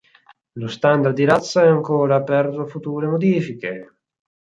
Lo standard di razza è ancora aperto a future modifiche.